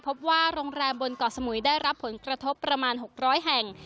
พบว่าโรงแรมบนเกาะสมุยได้รับผลกระทบประมาณ๖๐๐แห่ง